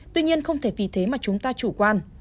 tuy nhiên không thể vì thế mà chúng ta chủ quan